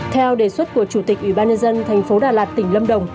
theo đề xuất của chủ tịch ủy ban nhân dân tp đà lạt tỉnh lâm đồng